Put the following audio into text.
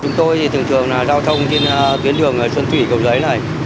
chúng tôi thường thường giao thông trên tuyến đường xuân thủy cầu giấy này